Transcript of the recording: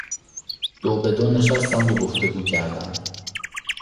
دوبدو نشستند و گفتگو کردند.